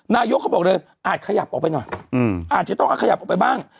นายกเขาบอกเลยอาจขยับออกไปหน่อยอาจจะต้องเอาขยับออกไปบ้าง